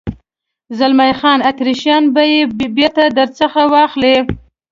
زلمی خان: اتریشیان به یې بېرته در څخه واخلي.